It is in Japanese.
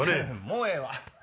もうええわ。